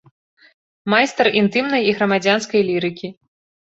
Майстар інтымнай і грамадзянскай лірыкі.